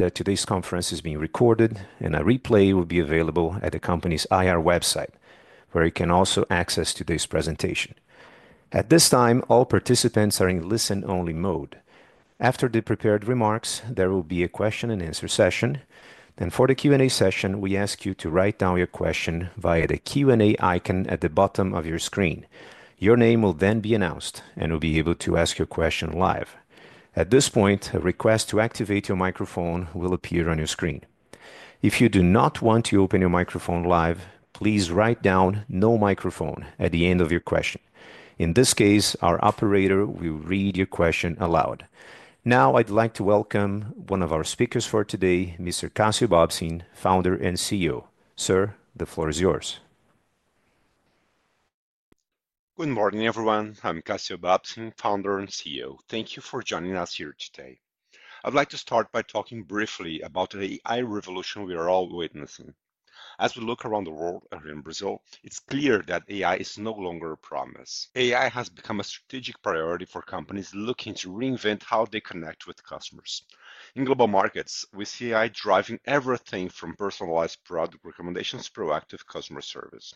That today's conference is being recorded, and a replay will be available at the company's IR website, where you can also access today's presentation. At this time, all participants are in listen-only mode. After the prepared remarks, there will be a question-and-answer session. For the Q&A session, we ask you to write down your question via the Q&A icon at the bottom of your screen. Your name will then be announced, and you'll be able to ask your question live. At this point, a request to activate your microphone will appear on your screen. If you do not want to open your microphone live, please write down, "No microphone," at the end of your question. In this case, our operator will read your question aloud. Now, I'd like to welcome one of our speakers for today, Mr. Cassio Bobsin, founder and CEO. Sir, the floor is yours. Good morning, everyone. I'm Cassio Bobsin, founder and CEO. Thank you for joining us here today. I'd like to start by talking briefly about the AI revolution we are all witnessing. As we look around the world, here in Brazil, it's clear that AI is no longer a promise. AI has become a strategic priority for companies looking to reinvent how they connect with customers. In global markets, we see AI driving everything from personalized product recommendations to proactive customer service.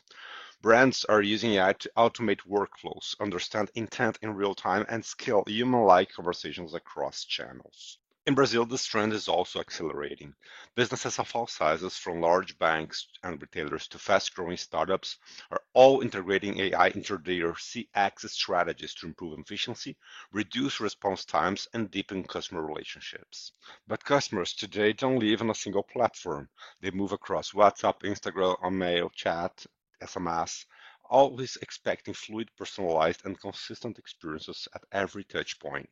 Brands are using AI to automate workflows, understand intent in real time, and scale human-like conversations across channels. In Brazil, this trend is also accelerating. Businesses of all sizes, from large banks and retailers to fast-growing startups, are all integrating AI into their CX strategies to improve efficiency, reduce response times, and deepen customer relationships. Customers today don't leave on a single platform. They move across WhatsApp, Instagram, email, chat, SMS, always expecting fluid, personalized, and consistent experiences at every touchpoint.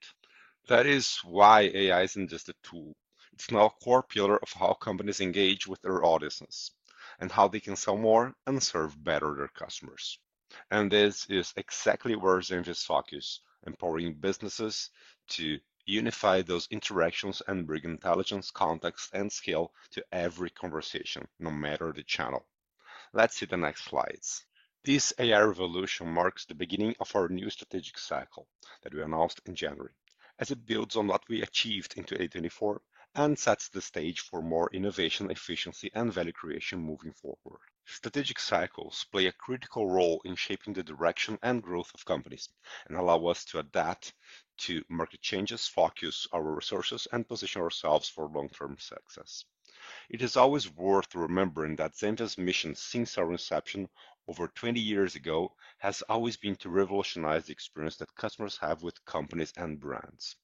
That is why AI is not just a tool. It is now a core pillar of how companies engage with their audiences and how they can sell more and serve better their customers. This is exactly where Zenvia's focus is: empowering businesses to unify those interactions and bring intelligence, context, and skill to every conversation, no matter the channel. Let's see the next slides. This AI revolution marks the beginning of our new strategic cycle that we announced in January, as it builds on what we achieved in 2024 and sets the stage for more innovation, efficiency, and value creation moving forward. Strategic cycles play a critical role in shaping the direction and growth of companies and allow us to adapt to market changes, focus our resources, and position ourselves for long-term success. It is always worth remembering that Zenvia's mission, since our inception over 20 years ago, has always been to revolutionize the experience that customers have with companies and brands.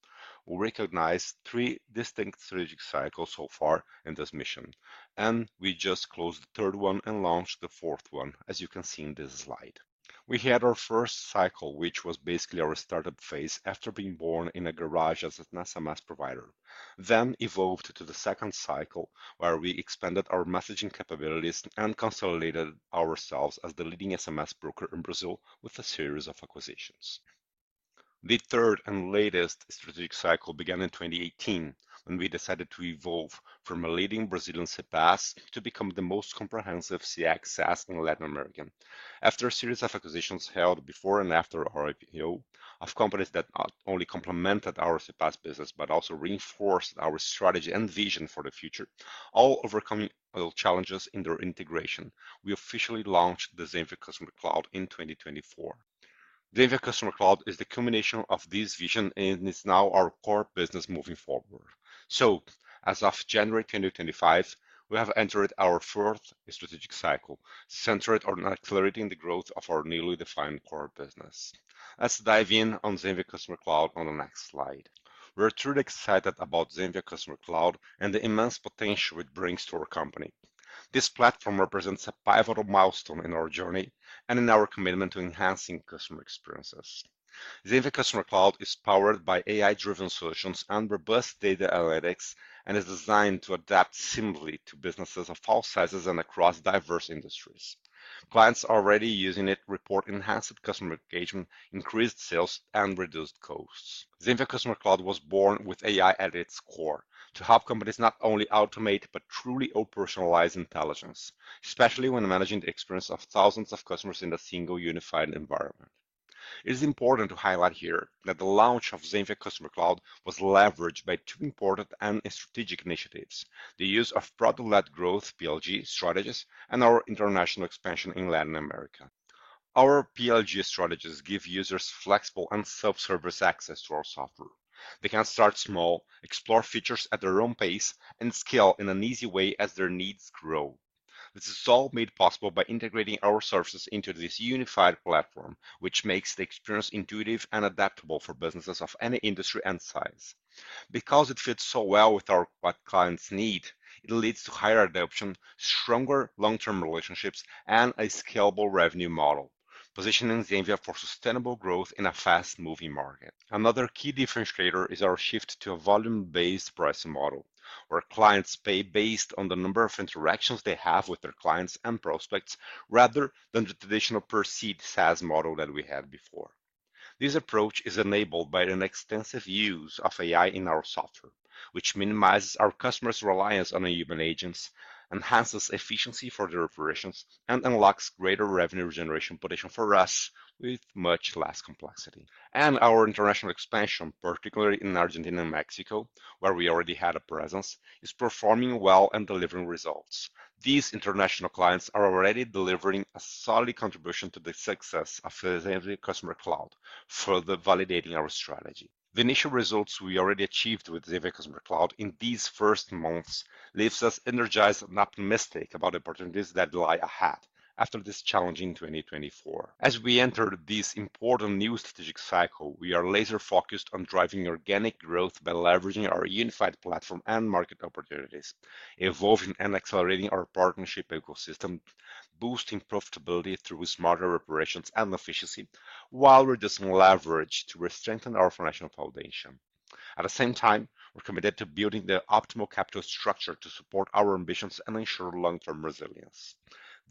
We recognize three distinct strategic cycles so far in this mission, and we just closed the third one and launched the fourth one, as you can see in this slide. We had our first cycle, which was basically our startup phase after being born in a garage as an SMS provider, then evolved to the second cycle, where we expanded our messaging capabilities and consolidated ourselves as the leading SMS broker in Brazil with a series of acquisitions. The third and latest strategic cycle began in 2018, when we decided to evolve from a leading Brazilian CPaaS to become the most comprehensive CX SaaS in Latin America. After a series of acquisitions held before and after our IPO of companies that not only complemented our CPaaS business but also reinforced our strategy and vision for the future, all overcoming challenges in their integration, we officially launched the Zenvia Customer Cloud in 2024. Zenvia Customer Cloud is the culmination of this vision, and it's now our core business moving forward. As of January 2025, we have entered our fourth strategic cycle, centered on accelerating the growth of our newly defined core business. Let's dive in on Zenvia Customer Cloud on the next slide. We're truly excited about Zenvia Customer Cloud and the immense potential it brings to our company. This platform represents a pivotal milestone in our journey and in our commitment to enhancing customer experiences. Zenvia Customer Cloud is powered by AI-driven solutions and robust data analytics and is designed to adapt seamlessly to businesses of all sizes and across diverse industries. Clients already using it report enhanced customer engagement, increased sales, and reduced costs. Zenvia Customer Cloud was born with AI at its core to help companies not only automate but truly operationalize intelligence, especially when managing the experience of thousands of customers in a single unified environment. It is important to highlight here that the launch of Zenvia Customer Cloud was leveraged by two important and strategic initiatives: the use of product-led growth (PLG) strategies and our international expansion in Latin America. Our PLG strategies give users flexible and self-service access to our software. They can start small, explore features at their own pace, and scale in an easy way as their needs grow. This is all made possible by integrating our services into this unified platform, which makes the experience intuitive and adaptable for businesses of any industry and size. Because it fits so well with our clients' needs, it leads to higher adoption, stronger long-term relationships, and a scalable revenue model, positioning Zenvia for sustainable growth in a fast-moving market. Another key differentiator is our shift to a volume-based pricing model, where clients pay based on the number of interactions they have with their clients and prospects rather than the traditional perceived SaaS model that we had before. This approach is enabled by the extensive use of AI in our software, which minimizes our customers' reliance on human agents, enhances efficiency for their operations, and unlocks greater revenue generation potential for us with much less complexity. Our international expansion, particularly in Argentina and Mexico, where we already had a presence, is performing well and delivering results. These international clients are already delivering a solid contribution to the success of Zenvia Customer Cloud, further validating our strategy. The initial results we already achieved with Zenvia Customer Cloud in these first months leave us energized and optimistic about the opportunities that lie ahead after this challenging 2024. As we enter this important new strategic cycle, we are laser-focused on driving organic growth by leveraging our unified platform and market opportunities, evolving and accelerating our partnership ecosystem, boosting profitability through smarter operations and efficiency, while reducing leverage to re-strengthen our financial foundation. At the same time, we're committed to building the optimal capital structure to support our ambitions and ensure long-term resilience.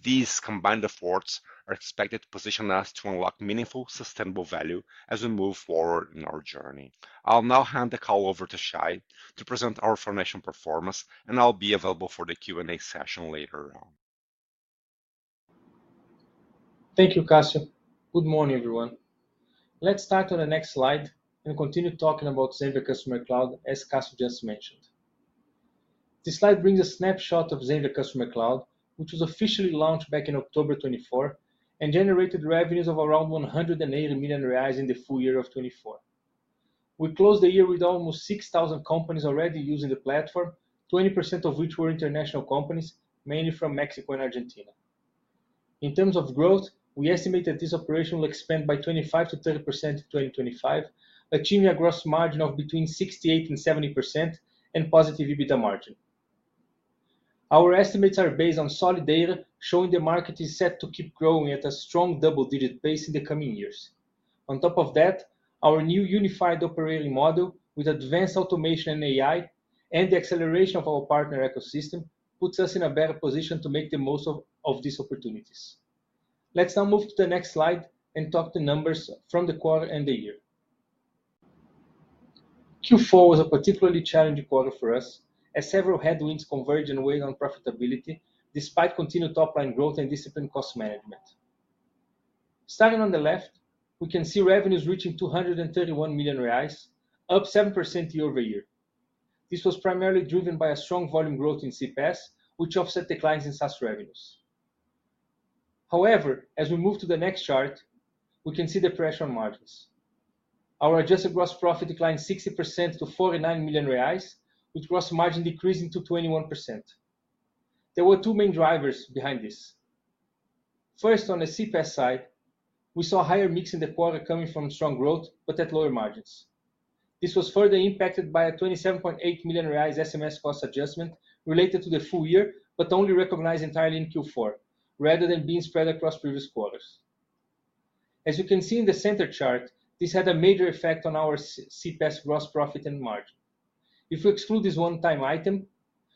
These combined efforts are expected to position us to unlock meaningful, sustainable value as we move forward in our journey. I'll now hand the call over to Shay to present our foundation performance, and I'll be available for the Q&A session later on. Thank you, Cassio. Good morning, everyone. Let's start on the next slide and continue talking about Zenvia Customer Cloud, as Cassio just mentioned. This slide brings a snapshot of Zenvia Customer Cloud, which was officially launched back in October 2024 and generated revenues of around 180 million reais in the full year of 2024. We closed the year with almost 6,000 companies already using the platform, 20% of which were international companies, mainly from Mexico and Argentina. In terms of growth, we estimate that this operation will expand by 25%-30% in 2025, achieving a gross margin of between 68%-70% and positive EBITDA margin. Our estimates are based on solid data, showing the market is set to keep growing at a strong double-digit pace in the coming years. On top of that, our new unified operating model with advanced automation and AI, and the acceleration of our partner ecosystem, puts us in a better position to make the most of these opportunities. Let's now move to the next slide and talk the numbers from the quarter and the year. Q4 was a particularly challenging quarter for us, as several headwinds converged and weighed on profitability despite continued top-line growth and disciplined cost management. Starting on the left, we can see revenues reaching 231 million reais, up 7% year over year. This was primarily driven by strong volume growth in CPaaS, which offset declines in SaaS revenues. However, as we move to the next chart, we can see the pressure on margins. Our adjusted gross profit declined 60% to 49 million reais, with gross margin decreasing to 21%. There were two main drivers behind this. First, on the CPaaS side, we saw higher mix in the quarter coming from strong growth but at lower margins. This was further impacted by a 27.8 million reais SMS cost adjustment related to the full year but only recognized entirely in Q4, rather than being spread across previous quarters. As you can see in the center chart, this had a major effect on our CPaaS gross profit and margin. If we exclude this one-time item,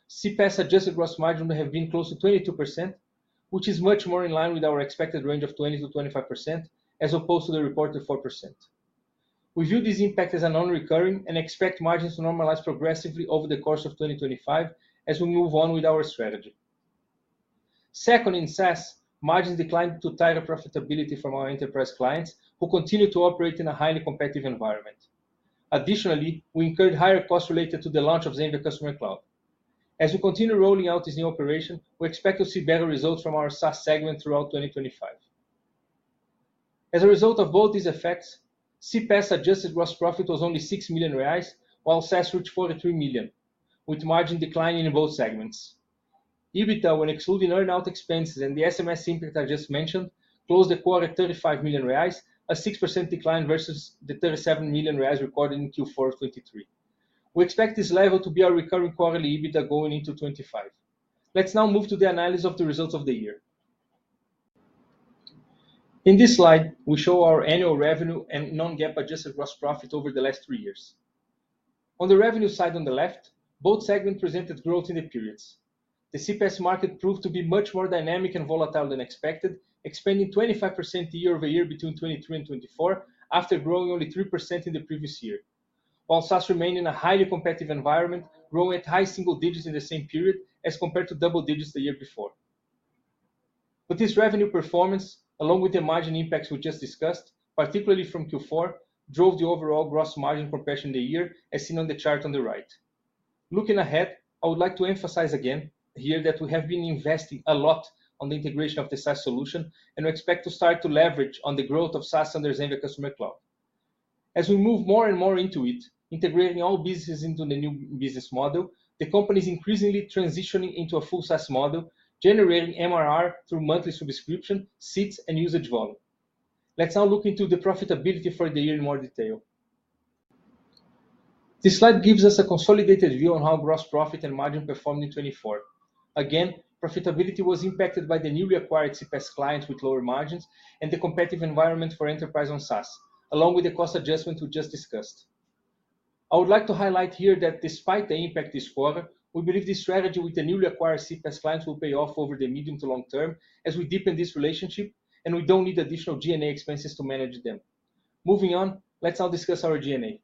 CPaaS adjusted gross margin would have been close to 22%, which is much more in line with our expected range of 20%-25%, as opposed to the reported 4%. We view these impacts as non-recurring and expect margins to normalize progressively over the course of 2025 as we move on with our strategy. Second, in SaaS, margins declined to tighten profitability from our enterprise clients, who continue to operate in a highly competitive environment. Additionally, we incurred higher costs related to the launch of Zenvia Customer Cloud. As we continue rolling out this new operation, we expect to see better results from our SaaS segment throughout 2025. As a result of both these effects, CPaaS adjusted gross profit was only 6 million reais, while SaaS reached 43 million, with margin declining in both segments. EBITDA, when excluding earn-out expenses and the SMS impact I just mentioned, closed the quarter at 35 million reais, a 6% decline versus the 37 million reais recorded in Q4 of 2023. We expect this level to be our recurring quarterly EBITDA going into 2025. Let's now move to the analysis of the results of the year. In this slide, we show our annual revenue and non-GAAP adjusted gross profit over the last three years. On the revenue side on the left, both segments presented growth in the periods. The CPaaS market proved to be much more dynamic and volatile than expected, expanding 25% year over year between 2023 and 2024, after growing only 3% in the previous year, while SaaS remained in a highly competitive environment, growing at high single digits in the same period as compared to double digits the year before. This revenue performance, along with the margin impacts we just discussed, particularly from Q4, drove the overall gross margin compression in the year, as seen on the chart on the right. Looking ahead, I would like to emphasize again here that we have been investing a lot on the integration of the SaaS solution, and we expect to start to leverage on the growth of SaaS under Zenvia Customer Cloud. As we move more and more into it, integrating all businesses into the new business model, the company is increasingly transitioning into a full SaaS model, generating MRR through monthly subscription, seats, and usage volume. Let's now look into the profitability for the year in more detail. This slide gives us a consolidated view on how gross profit and margin performed in 2024. Again, profitability was impacted by the newly acquired CPaaS clients with lower margins and the competitive environment for enterprise on SaaS, along with the cost adjustment we just discussed. I would like to highlight here that despite the impact this quarter, we believe this strategy with the newly acquired CPaaS clients will pay off over the medium to long term as we deepen this relationship, and we do not need additional G&A expenses to manage them. Moving on, let's now discuss our G&A.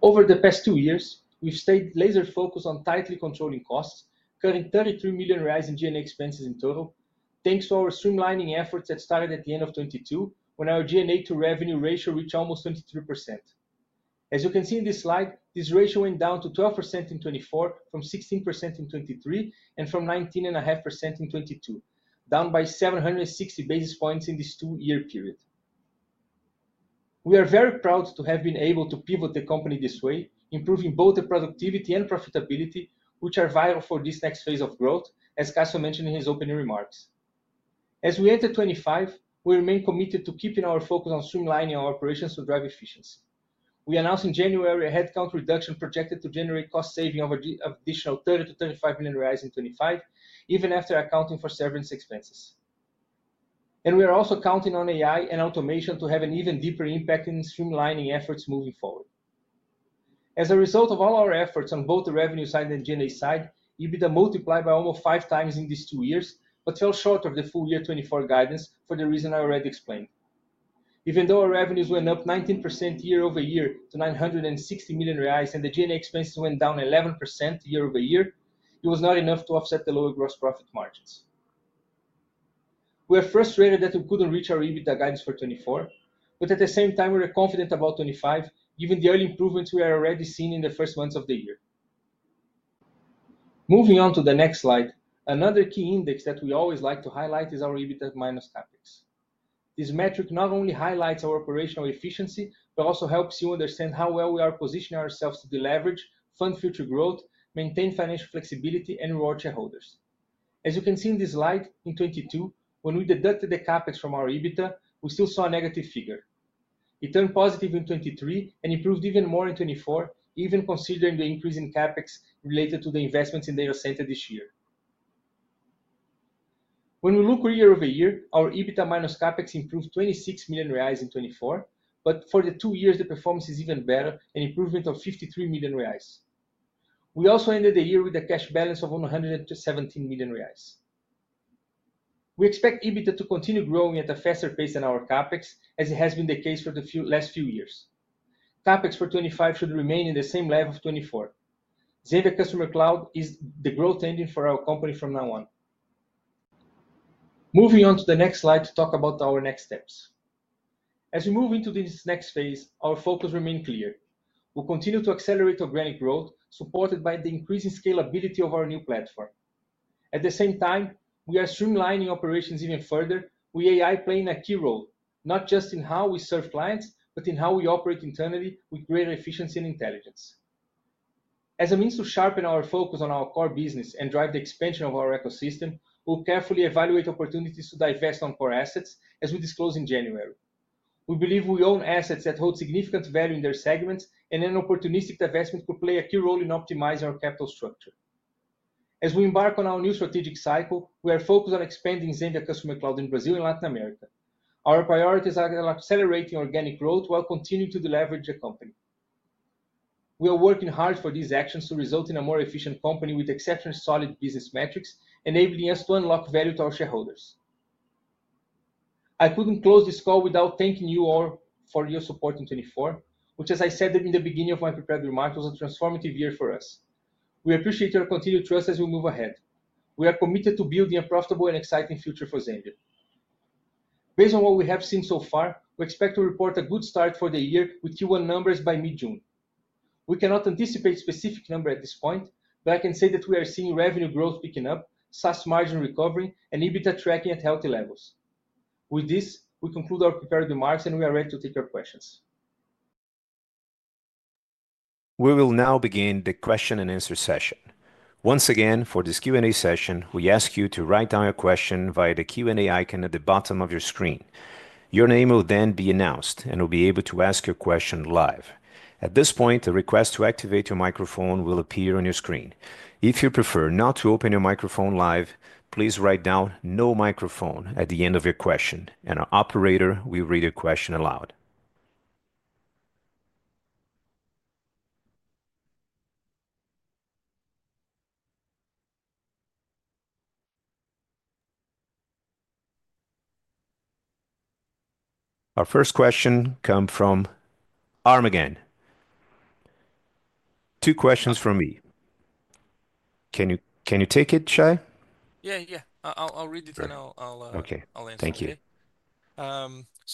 Over the past two years, we've stayed laser-focused on tightly controlling costs, currently 33 million in G&A expenses in total, thanks to our streamlining efforts that started at the end of 2022, when our G&A to revenue ratio reached almost 23%. As you can see in this slide, this ratio went down to 12% in 2024 from 16% in 2023 and from 19.5% in 2022, down by 760 basis points in this two-year period. We are very proud to have been able to pivot the company this way, improving both the productivity and profitability, which are vital for this next phase of growth, as Cassio mentioned in his opening remarks. As we enter 2025, we remain committed to keeping our focus on streamlining our operations to drive efficiency. We announced in January a headcount reduction projected to generate cost saving of an additional 30 million-35 million reais in 2025, even after accounting for severance expenses. We are also counting on AI and automation to have an even deeper impact in streamlining efforts moving forward. As a result of all our efforts on both the revenue side and the G&A side, EBITDA multiplied by almost five times in these two years but fell short of the full year 2024 guidance for the reason I already explained. Even though our revenues went up 19% year over year to 960 million reais and the G&A expenses went down 11% year over year, it was not enough to offset the lower gross profit margins. We are frustrated that we couldn't reach our EBITDA guidance for 2024, but at the same time, we're confident about 2025, given the early improvements we are already seeing in the first months of the year. Moving on to the next slide, another key index that we always like to highlight is our EBITDA minus CapEx. This metric not only highlights our operational efficiency, but also helps you understand how well we are positioning ourselves to deleverage, fund future growth, maintain financial flexibility, and reward shareholders. As you can see in this slide, in 2022, when we deducted the CapEx from our EBITDA, we still saw a negative figure. It turned positive in 2023 and improved even more in 2024, even considering the increase in CapEx related to the investments in data center this year. When we look year over year, our EBITDA minus CapEx improved 26 million reais in 2024, but for the two years, the performance is even better and improvement of 53 million reais. We also ended the year with a cash balance of 117 million reais. We expect EBITDA to continue growing at a faster pace than our CapEx, as it has been the case for the last few years. CapEx for 2025 should remain in the same level of 2024. Zenvia Customer Cloud is the growth engine for our company from now on. Moving on to the next slide to talk about our next steps. As we move into this next phase, our focus remains clear. We continue to accelerate organic growth, supported by the increasing scalability of our new platform. At the same time, we are streamlining operations even further, with AI playing a key role, not just in how we serve clients, but in how we operate internally with greater efficiency and intelligence. As a means to sharpen our focus on our core business and drive the expansion of our ecosystem, we'll carefully evaluate opportunities to divest non-core assets, as we disclosed in January. We believe we own assets that hold significant value in their segments, and an opportunistic divestment could play a key role in optimizing our capital structure. As we embark on our new strategic cycle, we are focused on expanding Zenvia Customer Cloud in Brazil and Latin America. Our priorities are accelerating organic growth while continuing to deleverage the company. We are working hard for these actions to result in a more efficient company with exceptionally solid business metrics, enabling us to unlock value to our shareholders. I could not close this call without thanking you all for your support in 2024, which, as I said in the beginning of my prepared remarks, was a transformative year for us. We appreciate your continued trust as we move ahead. We are committed to building a profitable and exciting future for Zenvia. Based on what we have seen so far, we expect to report a good start for the year with Q1 numbers by mid-June. We cannot anticipate a specific number at this point, but I can say that we are seeing revenue growth picking up, SaaS margin recovering, and EBITDA tracking at healthy levels. With this, we conclude our prepared remarks, and we are ready to take your questions. We will now begin the question and answer session. Once again, for this Q&A session, we ask you to write down your question via the Q&A icon at the bottom of your screen. Your name will then be announced, and you'll be able to ask your question live. At this point, a request to activate your microphone will appear on your screen. If you prefer not to open your microphone live, please write down "no microphone" at the end of your question, and our operator will read your question aloud. Our first question comes from Armagan. Two questions from me. Can you take it, Shay? Yeah, yeah. I'll read it, and I'll answer. Okay. Thank you.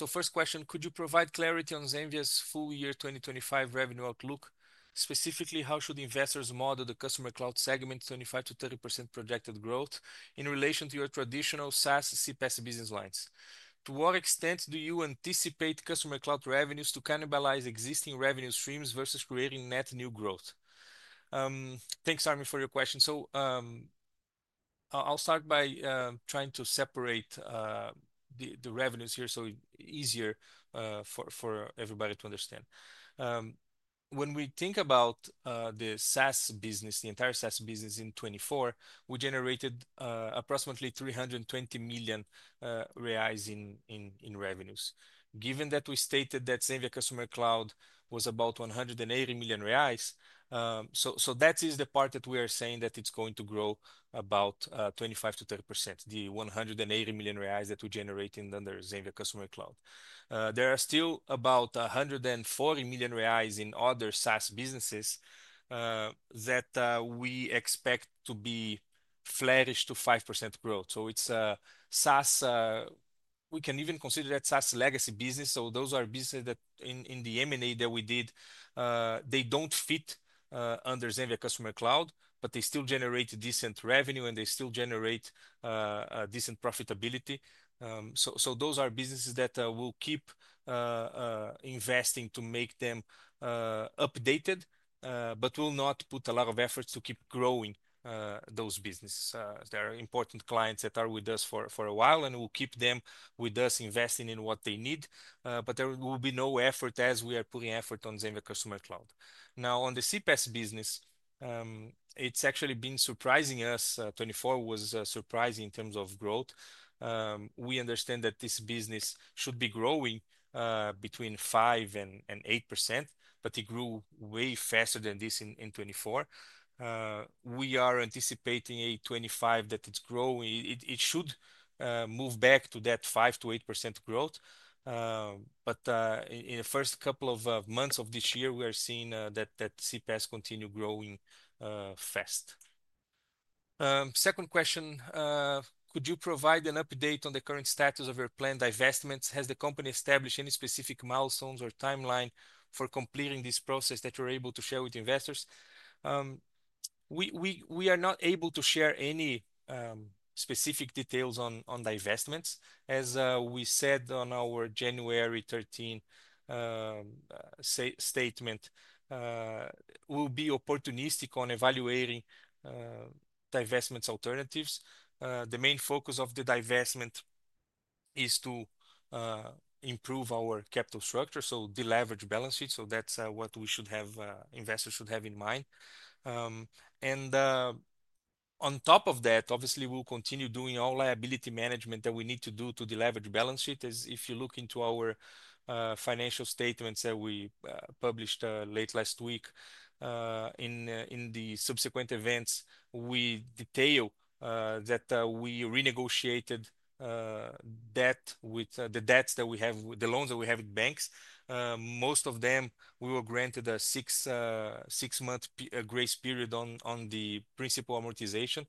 First question, could you provide clarity on Zenvia's full year 2025 revenue outlook? Specifically, how should investors model the customer cloud segment's 25%-30% projected growth in relation to your traditional SaaS CPaaS business lines? To what extent do you anticipate customer cloud revenues to cannibalize existing revenue streams versus creating net new growth? Thanks, Army, for your question. I'll start by trying to separate the revenues here so it's easier for everybody to understand. When we think about the SaaS business, the entire SaaS business in 2024, we generated approximately 320 million reais in revenues. Given that we stated that Zenvia Customer Cloud was about 180 million reais, that is the part that we are saying is going to grow about 25%-30%, the 180 million reais that we generate under Zenvia Customer Cloud. There are still about 140 million reais in other SaaS businesses that we expect to be flourished to 5% growth. So it's a SaaS; we can even consider that SaaS legacy business. So those are businesses that in the M&A that we did, they don't fit under Zenvia Customer Cloud, but they still generate decent revenue, and they still generate decent profitability. So those are businesses that we'll keep investing to make them updated, but we'll not put a lot of efforts to keep growing those businesses. There are important clients that are with us for a while, and we'll keep them with us investing in what they need, but there will be no effort as we are putting effort on Zenvia Customer Cloud. Now, on the CPaaS business, it's actually been surprising us; 2024 was surprising in terms of growth. We understand that this business should be growing between 5% and 8%, but it grew way faster than this in 2024. We are anticipating a 2025 that it's growing. It should move back to that 5%-8% growth, but in the first couple of months of this year, we are seeing that CPaaS continue growing fast. Second question, could you provide an update on the current status of your planned divestments? Has the company established any specific milestones or timeline for completing this process that you're able to share with investors? We are not able to share any specific details on divestments. As we said on our January 13, 2024 statement, we'll be opportunistic on evaluating divestment alternatives. The main focus of the divestment is to improve our capital structure, so deleverage balance sheets. That is what investors should have in mind. On top of that, obviously, we'll continue doing all liability management that we need to do to deleverage balance sheet. If you look into our financial statements that we published late last week, in the subsequent events, we detail that we renegotiated debt with the debts that we have, the loans that we have with banks. Most of them, we were granted a six-month grace period on the principal amortization.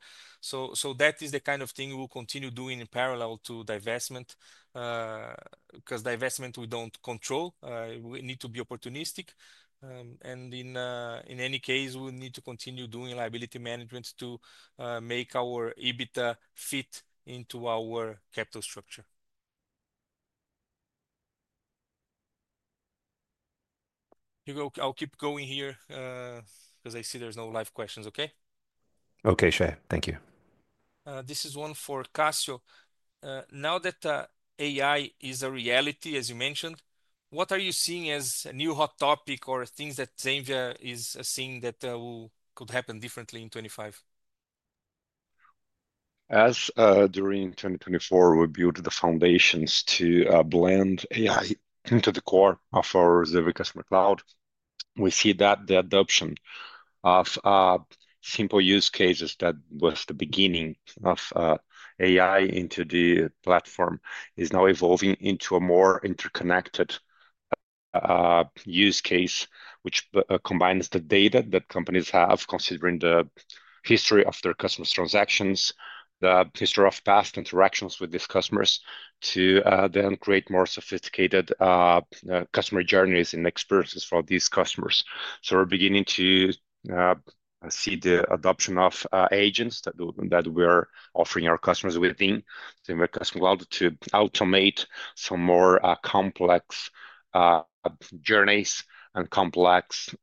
That is the kind of thing we'll continue doing in parallel to divestment, because divestment we don't control. We need to be opportunistic. In any case, we need to continue doing liability management to make our EBITDA fit into our capital structure. I'll keep going here because I see there's no live questions, okay? Okay, Shay, thank you. This is one for Cassio. Now that AI is a reality, as you mentioned, what are you seeing as a new hot topic or things that Zenvia is seeing that could happen differently in 2025? As during 2024, we built the foundations to blend AI into the core of our Zenvia Customer Cloud. We see that the adoption of simple use cases that was the beginning of AI into the platform is now evolving into a more interconnected use case, which combines the data that companies have, considering the history of their customers' transactions, the history of past interactions with these customers, to then create more sophisticated customer journeys and experiences for these customers. We're beginning to see the adoption of agents that we are offering our customers within Zenvia Customer Cloud to automate some more complex journeys and complex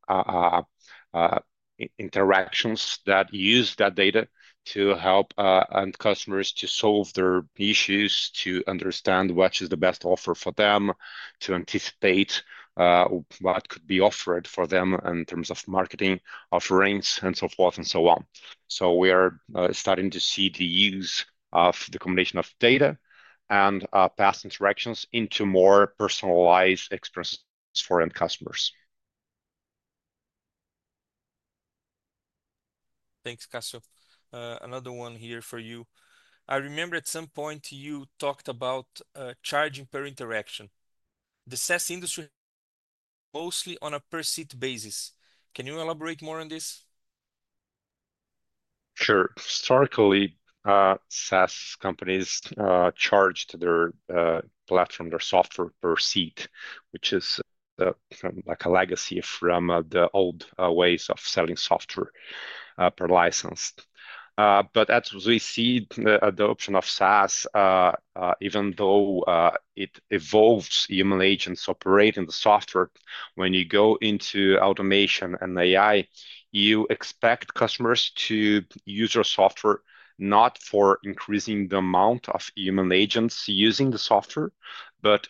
interactions that use that data to help end customers to solve their issues, to understand what is the best offer for them, to anticipate what could be offered for them in terms of marketing offerings and so forth and so on. We are starting to see the use of the combination of data and past interactions into more personalized experiences for end customers. Thanks, Cassio. Another one here for you. I remember at some point you talked about charging per interaction. The SaaS industry is mostly on a per seat basis. Can you elaborate more on this? Sure. Historically, SaaS companies charged their platform, their software per seat, which is like a legacy from the old ways of selling software per license. As we see the adoption of SaaS, even though it evolves, human agents operate in the software. When you go into automation and AI, you expect customers to use your software not for increasing the amount of human agents using the software, but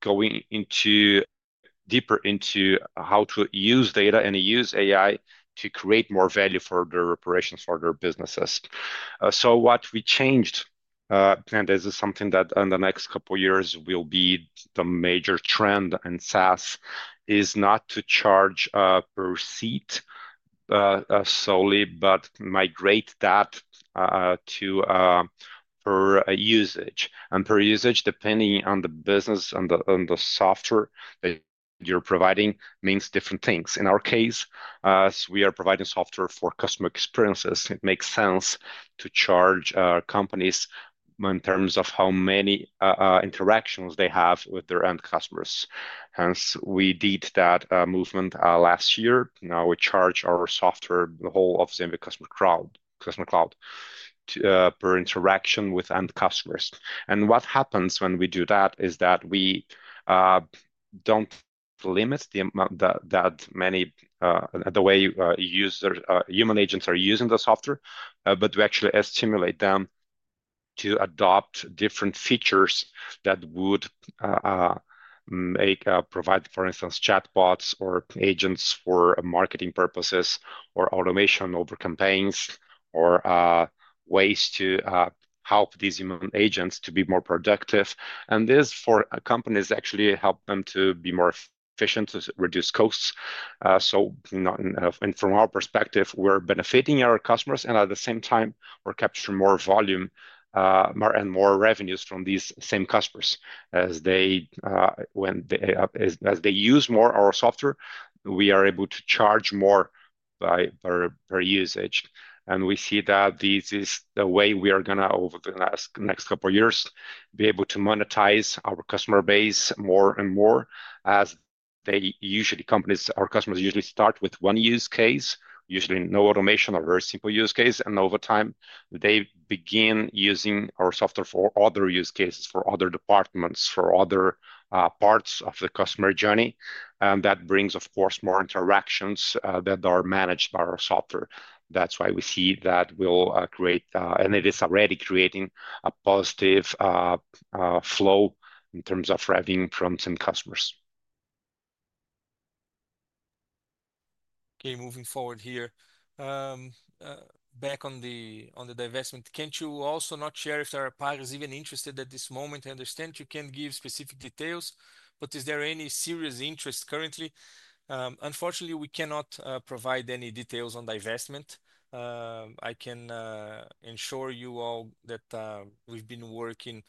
going deeper into how to use data and use AI to create more value for their operations, for their businesses. What we changed planned is something that in the next couple of years will be the major trend in SaaS is not to charge per seat solely, but migrate that to per usage. Per usage, depending on the business and the software that you're providing, means different things. In our case, as we are providing software for customer experiences, it makes sense to charge companies in terms of how many interactions they have with their end customers. Hence, we did that movement last year. Now we charge our software, the whole of Zenvia Customer Cloud, per interaction with end customers. What happens when we do that is that we do not limit that many the way human agents are using the software, but we actually estimate them to adopt different features that would provide, for instance, chatbots or agents for marketing purposes or automation over campaigns or ways to help these human agents to be more productive. This for companies actually helps them to be more efficient, to reduce costs. From our perspective, we are benefiting our customers, and at the same time, we are capturing more volume and more revenues from these same customers. As they use more our software, we are able to charge more per usage. We see that this is the way we are going to, over the next couple of years, be able to monetize our customer base more and more. Our customers usually start with one use case, usually no automation or a very simple use case, and over time, they begin using our software for other use cases, for other departments, for other parts of the customer journey. That brings, of course, more interactions that are managed by our software. That is why we see that we will create, and it is already creating, a positive flow in terms of revenue from some customers. Okay, moving forward here. Back on the divestment, can't you also not share if there are buyers even interested at this moment? I understand you can't give specific details, but is there any serious interest currently? Unfortunately, we cannot provide any details on divestment. I can ensure you all that we've been working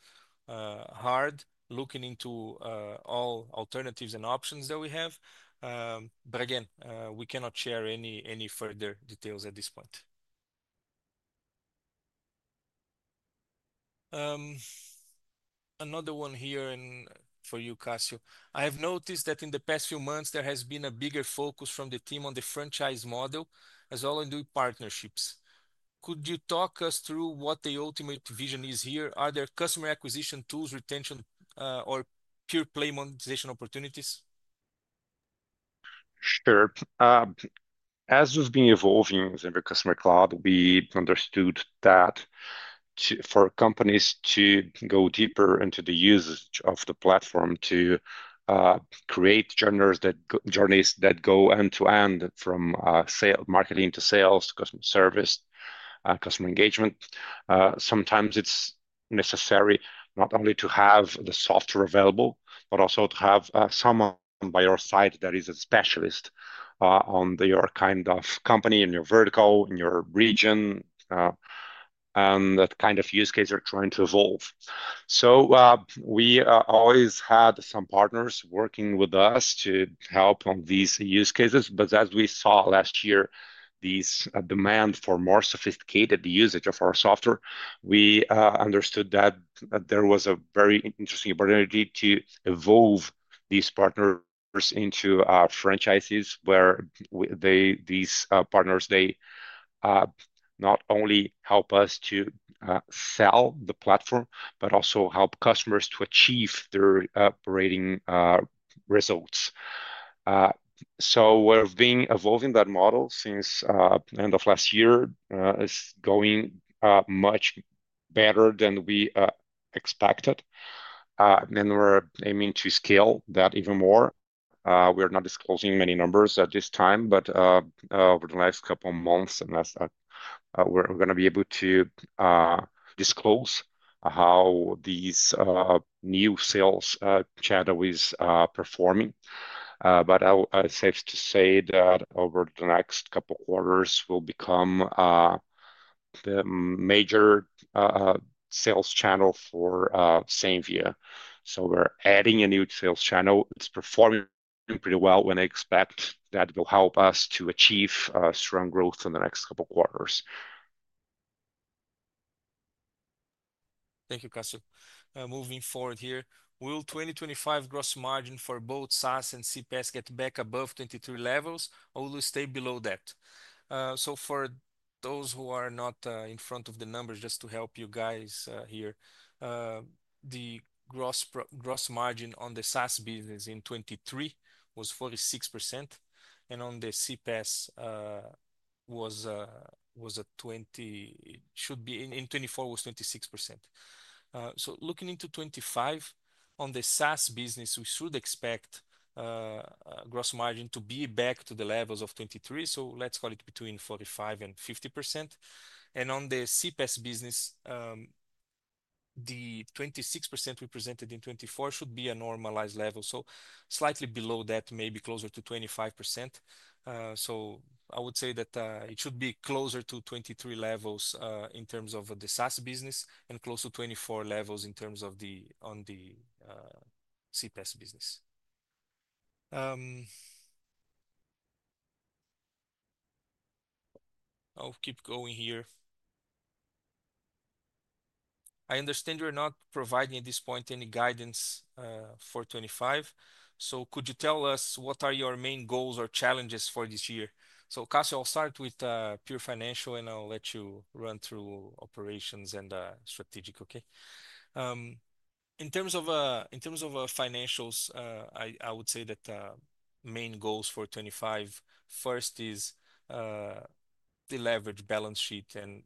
hard, looking into all alternatives and options that we have. Again, we cannot share any further details at this point. Another one here for you, Cassio. I have noticed that in the past few months, there has been a bigger focus from the team on the franchise model as well as partnerships. Could you talk us through what the ultimate vision is here? Are there customer acquisition tools, retention, or pure play monetization opportunities? Sure. As we've been evolving Zenvia Customer Cloud, we understood that for companies to go deeper into the usage of the platform, to create journeys that go end to end from marketing to sales to customer service, customer engagement, sometimes it's necessary not only to have the software available, but also to have someone by your side that is a specialist on your kind of company and your vertical and your region and that kind of use case you're trying to evolve. We always had some partners working with us to help on these use cases. As we saw last year, this demand for more sophisticated usage of our software, we understood that there was a very interesting opportunity to evolve these partners into franchises where these partners, they not only help us to sell the platform, but also help customers to achieve their operating results. We have been evolving that model since the end of last year. It is going much better than we expected. We are aiming to scale that even more. We are not disclosing many numbers at this time, but over the last couple of months, we are going to be able to disclose how these new sales channels are performing. I would say that over the next couple of quarters, it will become the major sales channel for Zenvia. We are adding a new sales channel. It is performing pretty well. We expect that it will help us to achieve strong growth in the next couple of quarters. Thank you, Cassio. Moving forward here, will 2025 gross margin for both SaaS and CPaaS get back above 2023 levels, or will it stay below that? For those who are not in front of the numbers, just to help you guys here, the gross margin on the SaaS business in 2023 was 46%, and on the CPaaS, it should be in 2024, it was 26%. Looking into 2025, on the SaaS business, we should expect gross margin to be back to the levels of 2023. Let's call it between 45%-50%. On the CPaaS business, the 26% we presented in 2024 should be a normalized level. Slightly below that, maybe closer to 25%. I would say that it should be closer to 2023 levels in terms of the SaaS business and close to 2024 levels in terms of the CPaaS business. I'll keep going here. I understand you're not providing at this point any guidance for 2025. Could you tell us what are your main goals or challenges for this year? Cassio, I'll start with pure financial, and I'll let you run through operations and strategic, okay? In terms of financials, I would say that main goals for 2025, first is to leverage balance sheet and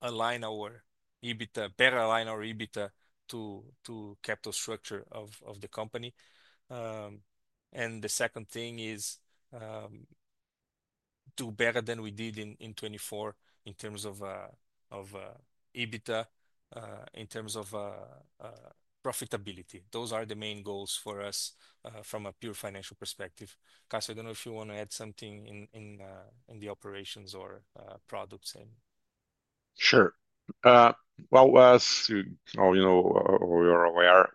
align our EBITDA, better align our EBITDA to capital structure of the company. The second thing is do better than we did in 2024 in terms of EBITDA, in terms of profitability. Those are the main goals for us from a pure financial perspective. Cassio, I don't know if you want to add something in the operations or products same. Sure. As you all know or you're aware,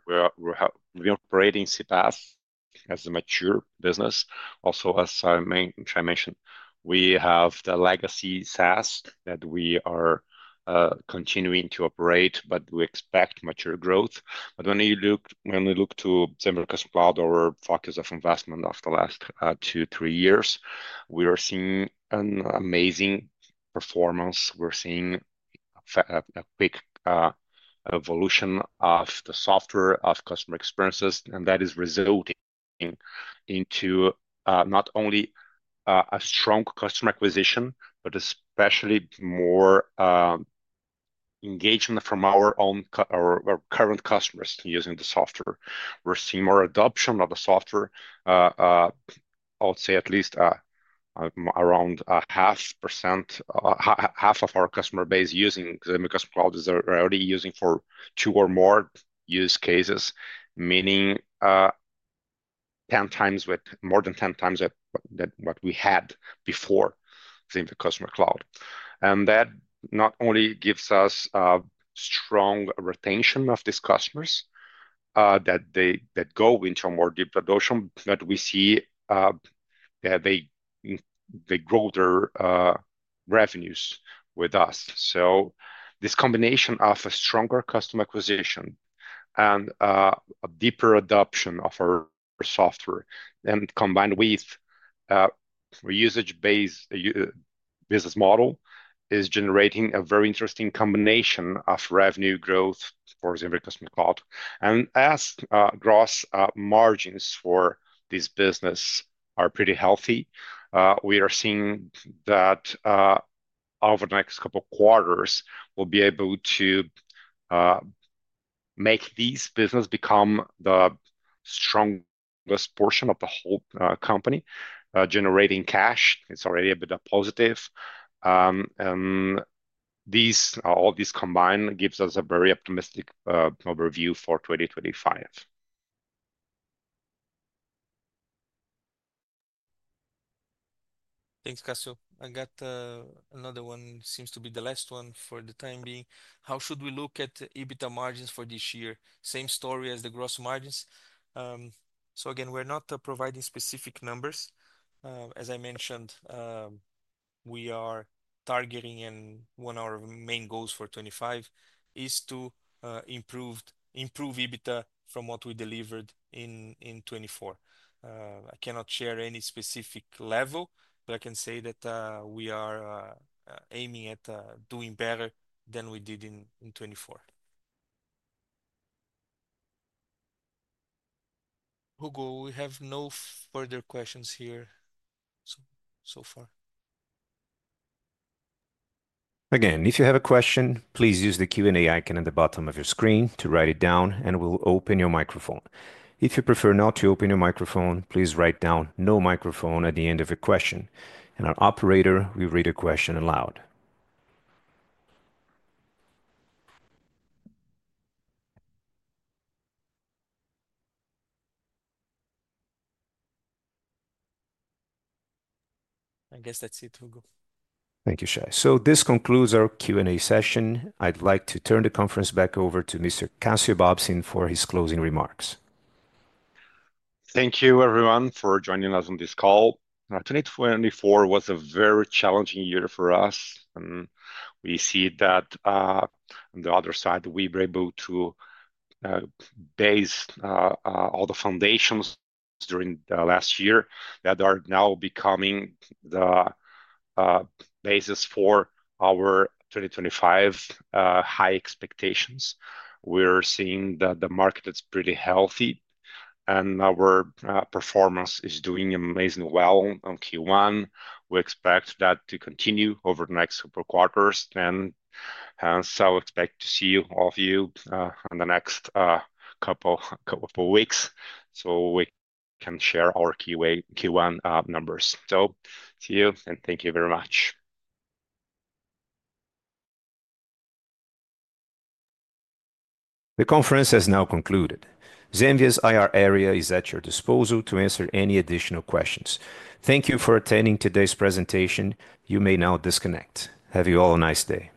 we've been operating CPaaS as a mature business. Also, as I mentioned, we have the legacy SaaS that we are continuing to operate, but we expect mature growth. When you look to Zenvia Customer Cloud, our focus of investment of the last two, three years, we are seeing an amazing performance. We're seeing a big evolution of the software, of customer experiences, and that is resulting in not only a strong customer acquisition, but especially more engagement from our own current customers using the software. We're seeing more adoption of the software. I would say at least around half of our customer base using Zenvia Customer Cloud is already using for two or more use cases, meaning more than 10 times what we had before Zenvia Customer Cloud. That not only gives us strong retention of these customers that go into a more deep adoption, but we see that they grow their revenues with us. This combination of a stronger customer acquisition and a deeper adoption of our software, combined with our usage-based business model, is generating a very interesting combination of revenue growth for Zenvia Customer Cloud. As gross margins for this business are pretty healthy, we are seeing that over the next couple of quarters, we will be able to make this business become the strongest portion of the whole company, generating cash. It is already a bit positive. All this combined gives us a very optimistic overview for 2025. Thanks, Cassio. I got another one. Seems to be the last one for the time being. How should we look at EBITDA margins for this year? Same story as the gross margins. Again, we're not providing specific numbers. As I mentioned, we are targeting, and one of our main goals for 2025 is to improve EBITDA from what we delivered in 2024. I cannot share any specific level, but I can say that we are aiming at doing better than we did in 2024. Hugo, we have no further questions here so far. Again, if you have a question, please use the Q&A icon at the bottom of your screen to write it down, and we'll open your microphone. If you prefer not to open your microphone, please write down no microphone at the end of your question. Our operator will read your question aloud. I guess that's it, Hugo. Thank you, Shay. This concludes our Q&A session. I'd like to turn the conference back over to Mr. Cassio Bobsin for his closing remarks. Thank you, everyone, for joining us on this call. 2024 was a very challenging year for us. We see that on the other side, we were able to base all the foundations during the last year that are now becoming the basis for our 2025 high expectations. We are seeing that the market is pretty healthy, and our performance is doing amazingly well on Q1. We expect that to continue over the next couple of quarters. I expect to see all of you in the next couple of weeks so we can share our Q1 numbers. See you, and thank you very much. The conference has now concluded. Zenvia's IR area is at your disposal to answer any additional questions. Thank you for attending today's presentation. You may now disconnect. Have you all a nice day.